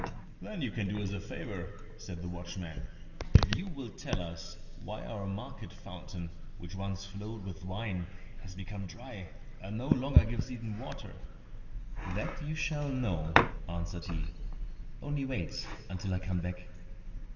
"Then you can do us a favour," said the watchman, "if you will tell us why our market fountain, which once flowed with wine has become dry, and no longer gives even water?" "That you shall know," answered he; "only wait until I come back."